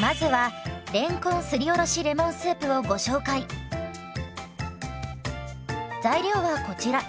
まずは材料はこちら。